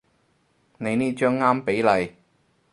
你呢張啱比例